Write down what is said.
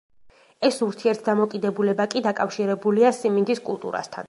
ეს ურთიერთდამოკიდებულება კი დაკავშირებულია სიმინდის კულტურასთან.